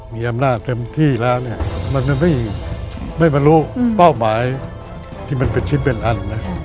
มีอำนาจเต็มที่แล้วเนี่ยมันไม่บรรลุเป้าหมายที่มันเป็นชิ้นเป็นอันนะ